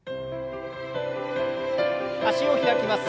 脚を開きます。